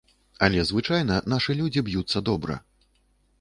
Але звычайна нашы людзі б'юцца добра.